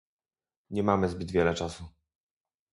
Nie mamy zbyt wiele czasu